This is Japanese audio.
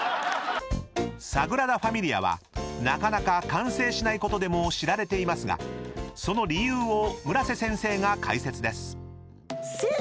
［サグラダ・ファミリアはなかなか完成しないことでも知られていますがその理由を村瀬先生が解説です］